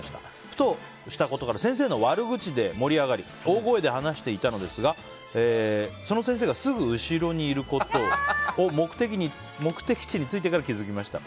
ふとしたことから先生の悪口で盛り上がり大声で話していたのですがその先生がすぐ後ろにいることを目的地に着いてから気づきました。